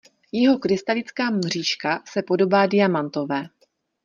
Jeho krystalická mřížka se podobá diamantové.